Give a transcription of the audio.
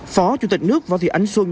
phó chủ tịch nước võ thị ánh xuân